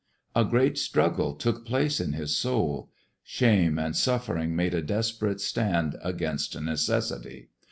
A great struggle took place in his soul. Shame and suffering made a desperate stand against necessity.